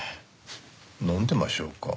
飲んでましょうか？